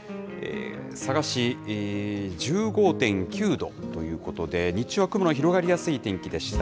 佐賀市１５．９度ということで、日中は雲の広がりやすい天気でした。